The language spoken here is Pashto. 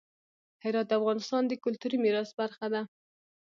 هرات د افغانستان د کلتوري میراث برخه ده.